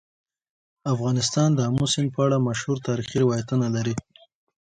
افغانستان د آمو سیند په اړه مشهور تاریخي روایتونه لري.